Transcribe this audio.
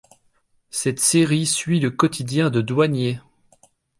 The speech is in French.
Cette série suit le quotidien de douaniers.